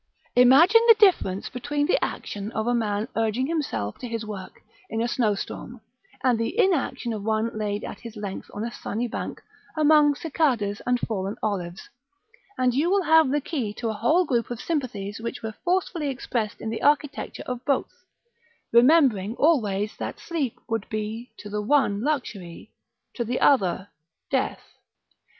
Imagine the difference between the action of a man urging himself to his work in a snow storm, and the inaction of one laid at his length on a sunny bank among cicadas and fallen olives, and you will have the key to a whole group of sympathies which were forcefully expressed in the architecture of both; remembering always that sleep would be to the one luxury, to the other death.